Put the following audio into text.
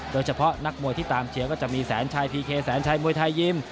โดยเฉพาะนักมวยที่ตามเชียร์ก็จะมีแสนชัยพีเคแสนชัยมวยไทยยิม